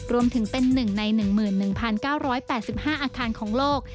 รวมถึงเป็น๑ใน๑๑๙๘๕อาคารของโลก